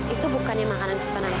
itu bukannya makanan kesukaan ayah kamu